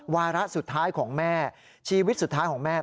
วาระสุดท้ายของแม่ชีวิตสุดท้ายของแม่